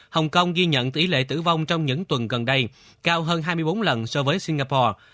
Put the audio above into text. hồng kông ghi nhận tỷ lệ tử vong trong những tuần gần đây cao hơn hai mươi bốn lần so với singapore